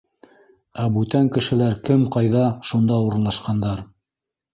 Ә бүтән кешеләр кем ҡайҙа — шунда урынлашҡандар.